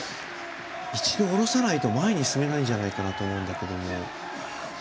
一度下ろさないと前に進めないんじゃないかと思うんだけど。